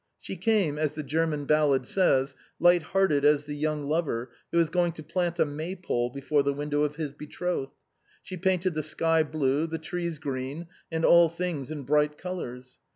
She came, as the German ballad says, light hearted as the young lover who is going to plant a maypole before the window of his betrothed. She painted the sky blue, the trees green, and all things in bright colors.